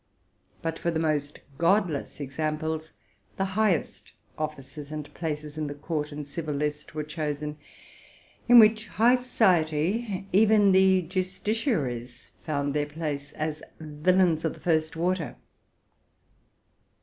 But for the most godless examples, the highest offices and places in the court and civil list were chosen, in which high society, even the justiciaries, found their place as villains of the first water.